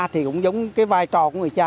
thì cũng giống cái vai trò của người cha